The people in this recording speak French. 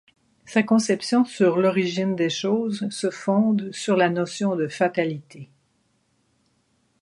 Sa conception sur l'origine des choses se fonde sur la notion de fatalité.